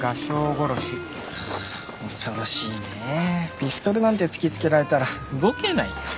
ピストルなんて突きつけられたら動けないよ。